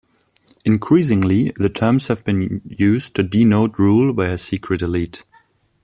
Increasingly, the terms have been used to denote rule by a secret elite.